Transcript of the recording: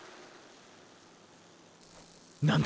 何だ⁉